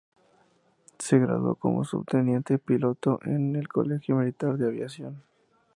Se graduó como subteniente piloto en el colegio militar de aviación.